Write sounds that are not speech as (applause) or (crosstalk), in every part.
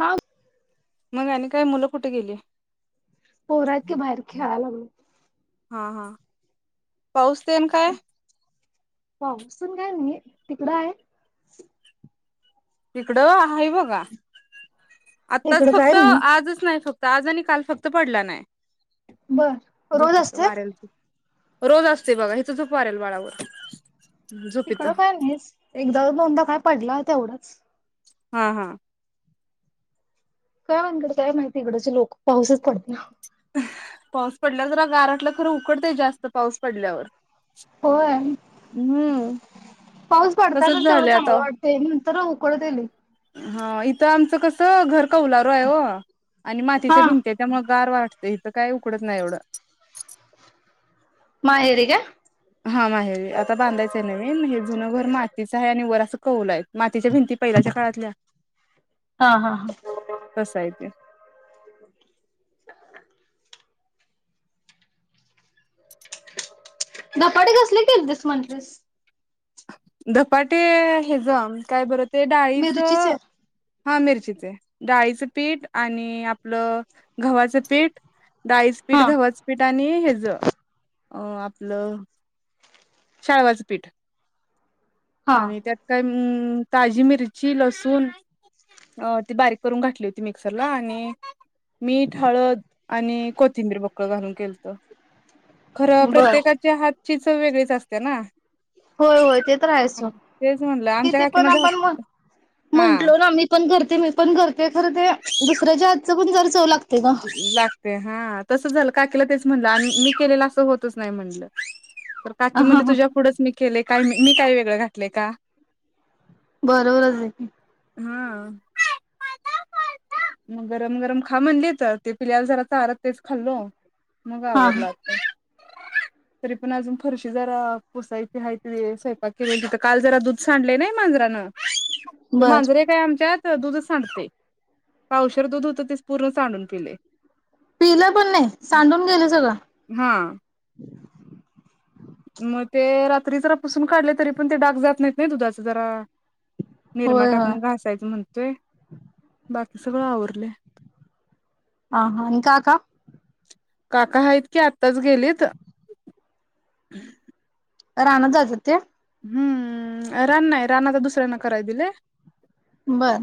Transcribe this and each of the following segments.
हा. मग आणि काय मुलं कुठे गेली. पोरात क बाहेर खेळायला मग. पाऊसतेम काय. पाऊसून काय म तिकडं आहे. तिकडं आहे बघा. आताच इकडं काय फक्त नाही. आजच नाही फक्त आज आणि काल फक्त पडला नाही. बर रोज झोपीत असते. वाऱ्याल रोज असते बघा हिथ झूप पारेल बाळावर झोपीत तिकडं काय नाहीच एकदा दोनदा काय पडला तेवढं. (unintelligible) हा हा. काय म्ह इकड काय माहिती इकडचे लोक पाऊसच पडते ना. पाऊस पडला जरा गारटलं खरं उकडतंय जास्त पाऊस पडल्यावर होय हम्म पाऊस तसच पडतातच तेवढ झालंय चांगला आता वाटतय ना. तर उकळतली. हा इथं आमचं कसं घर का उलारू आहे व आणि मातीच हा भिंते त्यामुळे गार वाढते. इथं काय उकडत नाही एवढं. माहेर ग. हा माहेरी आता बांधायचंय नवीन हे जुन घर मातीचं आहे आणि वर (unintelligible) तच्या भिंती पहिल्याच्या काळातल्या हा हा हा. कसा आहे ते (unintelligible) ना पडे कसले के तस म्हणतेस. पाटे हे जाम काय बरत. ते डाळीचं. मिरचीचे. हा मिरचीचे डाळीचं पीठ आणि आपलं गव्हाचं पीठ. डाईसपीठ हा वस्पीठ आणि हेज अं आपलं. शाळवाचं पीठ. हा आणि त्यात काय हम्म ताजी मिरची लसूण ती बारीक करून घातली होती मिक्सरला आणि मीठ, हळद आणि कोथिंबीर बघ. क घालुन केलंत. खरं बर प्रत्येकाच्या हाता ची चव वेगळीच असते ना? होय होय. ते तर आहेच सोड तेच म्हणलं आमच्या किती पण काकीना आपण म्हट हा म्हंटलो ना मी पण करते मी पण करते खरं ते दुसऱ्याच्या हातचं पण जर चव लाग लागते हां तसंच झालं काकीला तेच म्हणलं अम्म मी केलेलं असं होतंच नाही म्हणलं. तर काकी हा म्हणाली हा तुझ्या पुढच मी केलंय काय मी काय वेगळं घातलंय का? बरोबरच आहे की हां (unintelligible) मग गरम गरम खा म्हणलीत. तर ते पिल्ल्याला जरा चारत तेच खाल्लो. मग हा हा. आवरलं आपलं. तरी पण अजून फरशी जरा पुसायची हाय ती स्वयंपाक केलेलं तिथं काल जरा दूध सांडलंय नाय मांजरानं. ते बर मांजर एक आहे आमच्यात ते दुध सांडतंय पावशर दूध होतं तेच पूर्ण सांडून केलय. पिले पण नाही सांडून गय सगळं हा मग ते रात्री जरा पुसून काढले तरी पण ते डाग जात नाहीत नाही दुधाच जरा निरमा होय होय. टाकून घासायचं म्हणतोय बाकी सगळं आवरलय. हां हां. आणि काका? काका हायत कि आत्ताच गेलीत रानात जात्यात काय? हम्म रान नाही रान आता दुसऱ्यांना कराय दिलय. बर.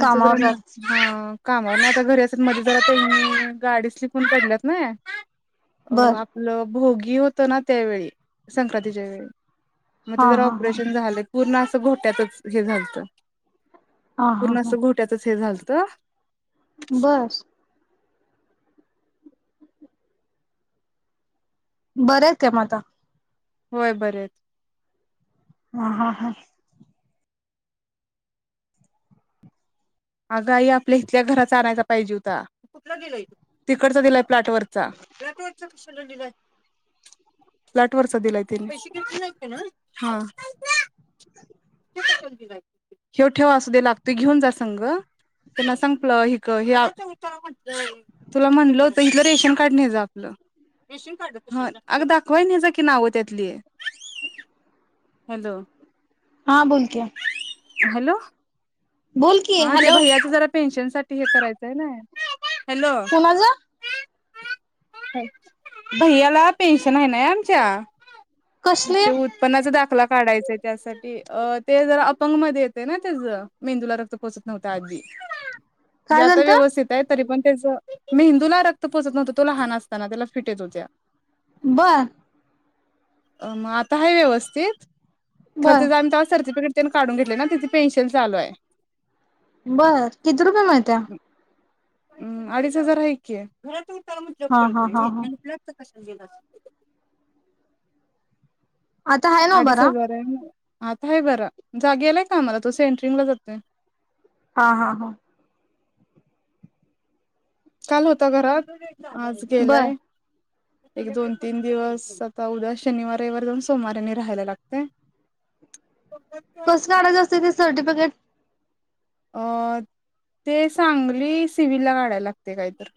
कामावर जात कामावर नाही आता घरी असेत्यात मध्ये जरा ते गाडी स्लिप होऊन पडल्यात नाई अ बर. आपलं भोगी होत ना त्यावेळी संक्रांतीच्या वेळी मग हा ते जरा हा हा ऑपरेशन झालं. पूर्ण असं घोट्यातच हे झालत हा हा पूर्ण असं घोट्यातच हे झालतं तर. बस. बरंच का मता. होय बरंच. हा हा हा. आगाई आपल्या इथल्या घराचा आणायचा पाहिजे होता. कुठ गेला? तिकडचा दिला. फ्लॅट वचा फ्लॅट क ल. प्लॅट वरचा दिलाय त हा. क. (unintelligible) हेव ठेव अस दे लागतोय घेऊन जास्त संघ (unintelligible) की नाव त्याेतली हॅलो. हा बोल की हॅलो. बोल की हा ते हॅलो भैयाच जरा पेन्शन साठी हे करायचंय नाय. हॅलो. कुणाचं भैयाला पेन्शन आहे नई आमच्या. कसले ते उत्पन्नाच दाखला. दाखला काढायच त्यासाठी ते जरा अपंग मध्ये येतय ना त्याच मेंदूला रक्त. पोचत नव्हत आदी. म्हणजे काय आता झालत व्यवस्थित आहे तरी पण. मेंदूला रक्त पोचत नव्हतं तो लहान असताना त्याला फिट येत होत्या. बर. अ मग आता हाय व्यवस्थित. खरं बर तेज आम्ही तेज तवा सर्थीपेटिक तर. तेन काढून घेतल ना तिथे पेन्सिल चालू आहे. बर किती रुपये मिळत्या. हम् अडीच हजार हाय कि. हा हा हा हा (unintelligible) प्रसज द (unintelligible) आता आहे ना अडीच बरा हजार हाय. आता आहे बर गेलाय कामाला तो सेट्रिंगला जातोय. हा, हा, हा. काल होता घरात. आज बर गेलाय. एक दोन तीन दिवस आता उद्या शनिवार रविवार जाऊन सोमवार आणि राहायला लागतय. कस काढयचं असते ते सर्टिफिकेट. अ ते सांगली सिव्हीलला काढायला लागतय काय तर.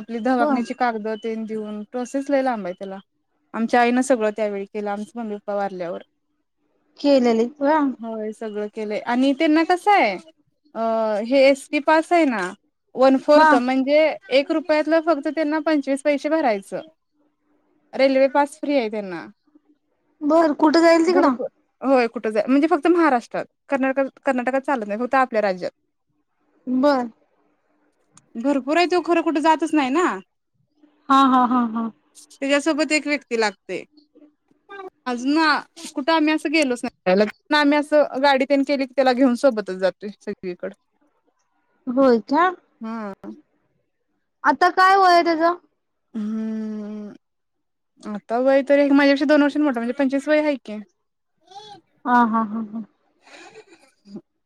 आपली हो दवाखान्याची कागद तेन देऊन, प्रोसेस लई लांब आहे त्याला. आमच्या आईनं सगळं त्यावेळी केलं. आमच मम्मी पप्पा वारल्यावर. केलेलीत हो केलय आणि त्यांना कस आहे हे एसटी पास आहे ना वन हा फोर्थ म्हणजे एक रुपयातला फक्त त्यांना पंचवीस पैसे भरायचं. रेल्वे पास फ्री आहे त्यांना. बर कुठे जाईल तिकड. भरपूर होय कुठं जाईल म्हणजे फक्त महाराष्ट्रात कर्नाटकात कर्नाटकात चालत नाही. फक्त आपल्या राज्यात. बर भरपूर आहे तो खरं कुठे जातच नाही ना. हा हा हा हा त्याच्यासोबत एक व्यक्ती लागते. अजून कुठं आम्ही असं गेलोच नाही ल आम्ही असं गाडी तेन केली. त्याला घेऊन सोबतच जातोय सगळीकड. होय का (inaudible) आता काय वय आहे त्याच. हम्म आता वय तरी माझ्यापेक्षा दोन वर्षीनी मोठा म्हणजे पंचवीस वय आहे की. हा हा हा हा (inaudible)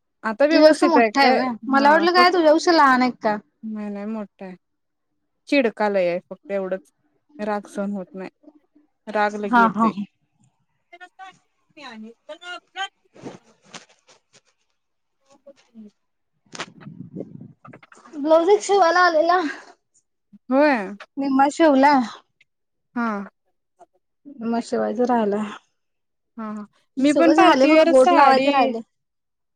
तुझ्यापेक्षा व्यवस्थित मोठा आहे काय व्हय. मला हा वाटलं फक्त काय तुझ्यापेक्षा लहान आहे. का नाही नाही मो चिडका लयी आहे फक्त एवढंच राग सहन होत नाही. राग लगी हा हा येतोय. हा (unintelligible) (inaudible) (inaudible) ब्लाऊज शिवाला आलेला. होय निम्मा शिवला. हा म शिवायचं हा हा. राहिलय. मी पण सगळं झाले बघ पार्टीवेअर गोट लावायच साडी राहिले.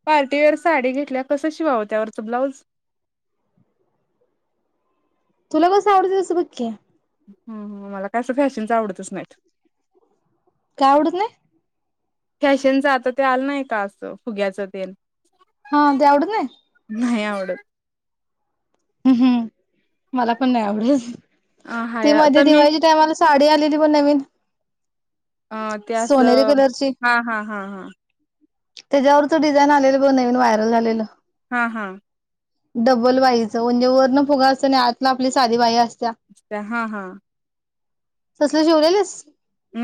पार्टीवेअर साडी घेतल्यावर कसं शिवावं त्यावरच ब्लाऊज. तुला कसं आवडत तसं बघ की. हम्म हम्म मला कस फॅशनच आवडतच नाहीत. का आवडत नाही. फॅशनच आता ते आलं नाही का असं फुग्याचं तेन हा ते आवडत नाही नाही आवडत. हम्म मला पण नाही आवडलंच. अ ते हाय मधी तर मी दिवाळीच्या टाईमाला साडी आलेली ब नवीन अ ते असं सोनेरी हां हां हां हां. त्याज्यावरच डिझाईन आलेलं बघ नवीन वायरल झालेलं हां हां. डबल वाइज वणजे वरनं फुगा असतं आणि आतनं आपली साधी बाई अस अच्छा हां हां. (unintelligible) जेवल्यालीस?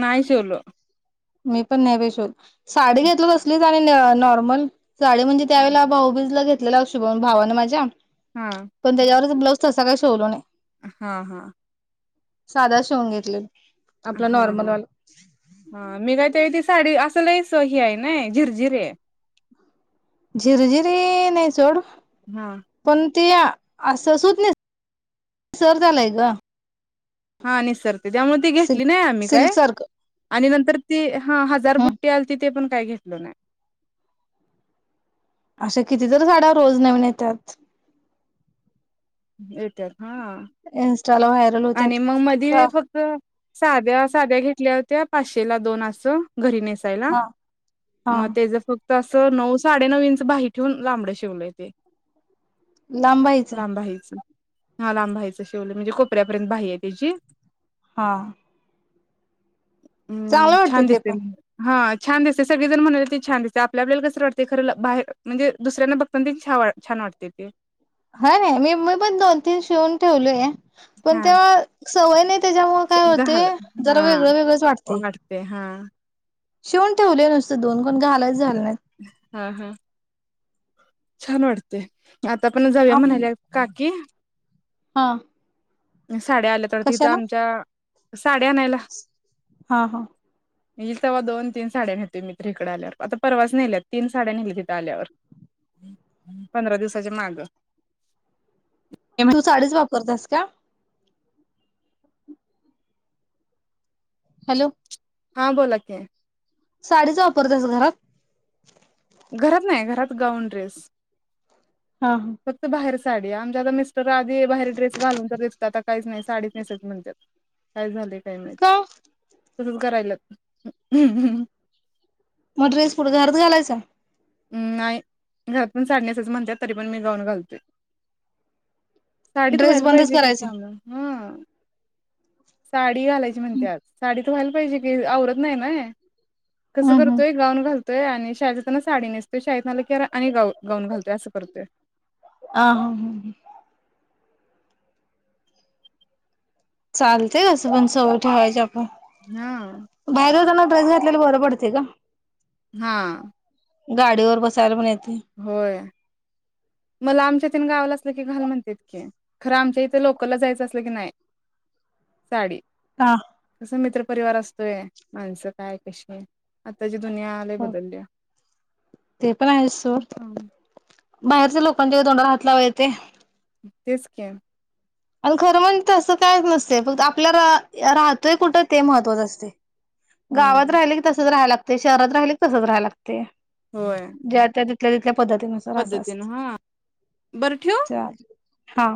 नाही जेवलो. मी पण नाही बाई (unintelligible) साडी घेतलो तसलीच आणि (unintelligible) नॉर्मल. साडी म्हणजे त्यावेळेला भाऊबीजला घेत लेला शुभम भावानं माझ्या हा पण त्याच्यावरच ब्लाऊज तसा काय शिवला नाही. हां हां. साधाच शिवून घेतलेलो. हां हां हां मी काय तेहतीस साडी असं लईच हे आहे नई, झिरझिर आहे. झिर-झिरे नाही सोड. हा. पण ते असं सुत नेसता येईना झालाय ग. हा निसरते त्यामुळे ती सिल्क घेतली नाही आम्ही काय सिल्क सारखं आणि न तर ती. हा हजार हम् बुट्टी आलती ते पण. काय घेतलो नाही. अशा किती तर साड्या रोज नवीन येत्यात. येत्यात. इन्स्टाला व्हायरल होत्यात. साध्या-साध्या घेतल्या होत्या पाचशे ला दोन असं. घरी नेसायला हा हा मग तेज फक्त. तसं नऊ-साडेनऊ इंच भाई ठेवून लांबड शिवलंय ते. लांबभाईच. लांब बाहीचं हा लांबभाईचं शेवले म्हणजे कोपऱ्यापर्यंत भाई आहे त्याची. हा. हम्म चांगलं वाटते छान ते दिसते पण हा. छान दिसते. सगळे जण म्हणाले ते छान दिसते आपल्या आपल्याला कसं वाटते खरं बाहेर म्हणजे दुसऱ्यांना बघतानाछ छान वाटते ते. हा नाही. मी मी पण दोन तीन शिवून ठेवलोय. पण हा तेव्हा. सवय नाही. त्याच्यामुळे काय होते घाल जरा हा वेगळं वेगळंच वाटते. शिवून ठेवले नुसतं दोन कोण घालायच झा ह (unintelligible) हा हा छान वाटते. आता पण जाऊया आप म्हणायल्या काकी. हा. अ साड्या आल्या तर तिथं कशाला आमच्या. साड्या आणायला हा हा. सव्हा दोन तीन साड्या नेतोय मित्र इकडे आल्यावर आता परवाच नेल्यात तीन साड्या नेल्या. तिथे आल्यावर पंधरा दिवसाच्या माग. तू साडेच बाप्. करतस का? हॅलो! हां बोलाकी. साडीच वापरतेस घरात? घरात नाही, घरात गाऊन ड्रेस. हा हा फक्त बाहेर. साडी. आमच्या आता मिस्टर आधी बाहेर ड्रेस घालून तर दिसतात आता काहीच नाही साडीच नेसत म्हणतात काय झाले. का? तसच करायला. मग ट्रेस पुढे घरच घालायचा? नाही घरात पण साडण्या असच म्हणते, तरी पण मी जाऊन घालतो. साडीतू ड्रेस व्हायला बंदच पाहिजे कि करायचा. काम हा. साडी. डी घालायची म्हणत्यात. व्हायला पाहिजे क आवरत नाही ना. कसं हम्म हम्म करतोय गाऊं घालतो. आणि श साडी नसू शा रा आणि गा गाऊन घालतोय असं करतोय. आ हा हा हा. चालतेय असं पण सवय ठेवायच्या. हा बाहेर जातांना घातल्याला बरं पडते का. हा. गाडी वर बसायला म्हण होय. ला आमच्या इथून गावला असलं की घाल म्हणते इतकि खरं आमच्या इथे लोकलला जायचं असलं की नाही साडी का. मित्र परिवार असतोय माणसं काय कशी आता दुनीया बदललीया. ते पण आहे सोड बाहेरच्या लोकांच्या दोंडार हात लावा येते. तेच की. आणि खरं म्हण तसं कायच नसते फक्त आपल्याला राहतोय कुठं ते महत्वाचं असतय. गावात हम्म राहिल की तसचं राहायला लागतंय ते शहरात राहिल कि तसचं राहिला ते होय ज्या त्या तिथल्या तिथल्या पद्धतीनुसार असं पद्धतीनं असत हा बरं ठेवू? चा हा.